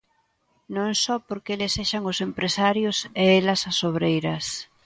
Non só porque eles sexan os empresarios e elas as obreiras.